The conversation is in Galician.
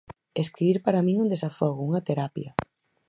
Escribir para min é un desafogo, unha terapia.